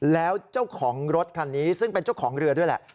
แล้วเจ้าของรถคันนี้ซึ่งเป็นเจ้าของเรือด้วยแหละ